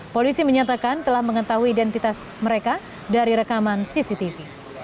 polisi menyatakan telah mengetahui identitas mereka dari rekaman cctv